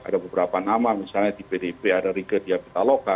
ada beberapa nama misalnya di pdp ada rike diapitaloka